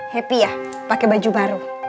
happy ya pakai baju baru